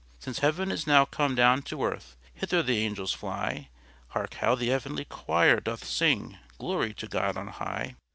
Since heaven is now come down to earth, Hither the angels fly! Hark, how the heavenly choir doth sing Glory to God on High!